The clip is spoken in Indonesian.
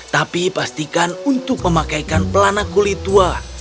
tapi pastikan untuk memakaikan pelanak guli tua